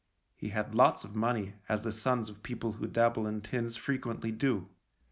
He had lots of money, as the sons of people who dabble in tins frequently do.